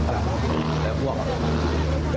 แล้วบวก